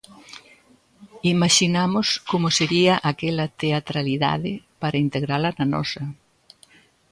Imaxinamos como sería aquela teatralidade para integrala na nosa.